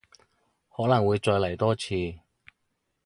可能會再嚟多次